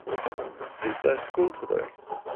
Is there school today?